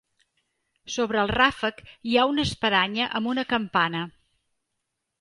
Sobre el ràfec hi ha una espadanya amb una campana.